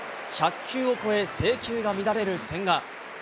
１００球を超え、制球が乱れる千賀。